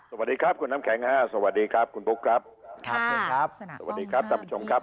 สวัสดีครับคุณน้ำแข็ง๕สวัสดีครับคุณปุ๊กครับสวัสดีครับท่านผู้ชมครับ